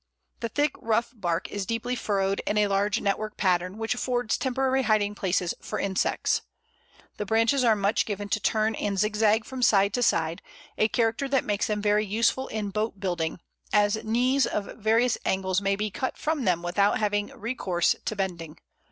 The thick rough bark is deeply furrowed in a large network pattern, which affords temporary hiding places for insects. The branches are much given to turn and zig zag from side to side a character that makes them very useful in boat building, as "knees" of various angles may be cut from them without having recourse to bending.